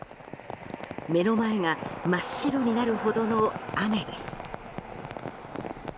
目の前が真っ白になるほどの雨です。